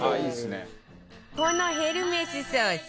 このヘルメスソース